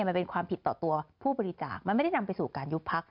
มันเป็นความผิดต่อตัวผู้บริจาคมันไม่ได้นำไปสู่การยุบพัก